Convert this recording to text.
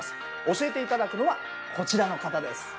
教えて頂くのはこちらの方です。